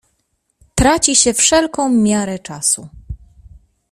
"Traci się wszelką miarę czasu."